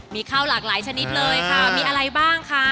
มีข้าวหลากหลายชนิดเลยค่ะมีอะไรบ้างคะ